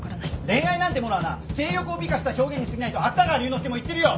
恋愛なんてものはな性欲を美化した表現にすぎないと芥川龍之介も言ってるよ！